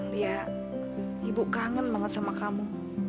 lihat ibu kangen banget sama kamu